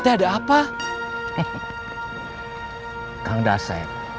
masih saja omong besar